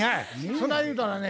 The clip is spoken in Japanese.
そない言うたらね